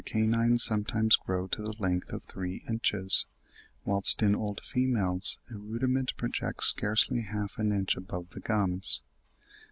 18) sometimes grow to the length of three inches, whilst in old females a rudiment projects scarcely half an inch above the gums.)